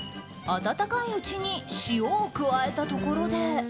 温かいうちに塩を加えたところで。